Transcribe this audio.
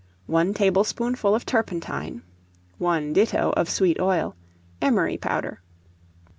1 tablespoonful of turpentine, 1 ditto of sweet oil, emery powder.